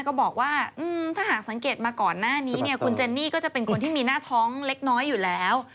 ก็บอกว่าถ้าหากสังเกตมาก่อนหน้านี้เนี่ยคุณเจนนี่ก็จะเป็นคนที่มีหน้าท้องเล็กน้อยอยู่แล้ว